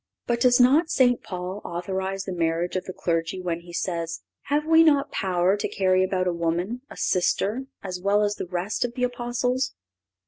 But does not St. Paul authorize the marriage of the clergy when he says: "Have we not power to carry about a woman, a sister, as well as the rest of the Apostles?"